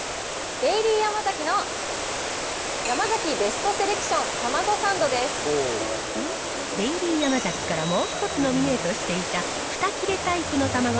デイリーヤマザキのヤマザキベストセレクションたまごサンドデイリーヤマザキから、もう一つノミネートしていた２切れタイプのたまご